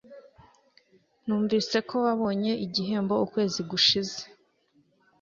Numvise ko wabonye igihembo ukwezi gushize.